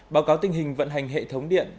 báo cáo tình hình vận hành hệ thống điện